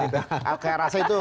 kayaknya rasanya itu